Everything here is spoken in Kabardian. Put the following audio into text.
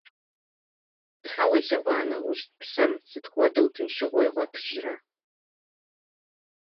Тхьэ уелъэӀуа нэужь, псэм сыт хуэдэу тыншыгъуэ игъуэтыжрэ!